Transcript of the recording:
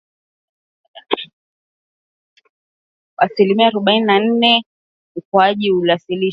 IIiwasilisha ukuaji wa asilimia arubaini na nne